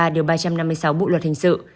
điều ba trăm năm mươi sáu bộ luật hình sự